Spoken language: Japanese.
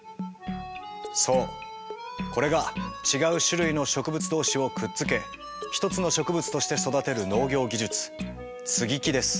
そうこれが違う種類の植物同士をくっつけ一つの植物として育てる農業技術接ぎ木です。